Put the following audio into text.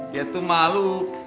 dia tuh malu